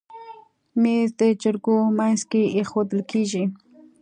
مېز د جرګو منځ کې ایښودل کېږي.